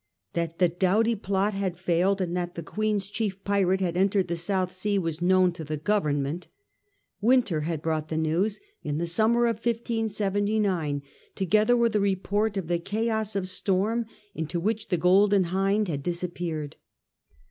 That the Doughty plot had failed, and that the Queen's chief pirate had entered the South Sea, was known to the Government. Wynter had brought the news in the summer of 1579, together with a report of the chaos of storm into which the Golden Hind had disappeared.